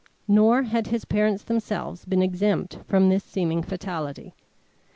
Nor had his parents themselves been exempt from this seeming fatality.